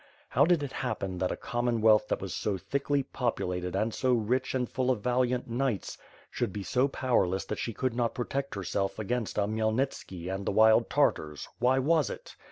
How did it happen that a Common wealth that was so thickly populated and so rich and full of valiant knights should be so powerless that she could not protect herself against a Khmyelnitski and the wild Tar tars, why was it?